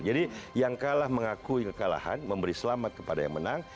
jadi yang kalah mengakui kekalahan memberi selamat kepada yang menang